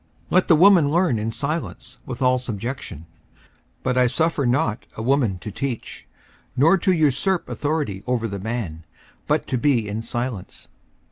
54:002:011 Let the woman learn in silence with all subjection. 54:002:012 But I suffer not a woman to teach, nor to usurp authority over the man, but to be in silence.